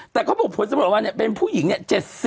แต่เขาบอกผลสำรวจออกมาเนี่ยเป็นผู้หญิงเนี่ย๗๐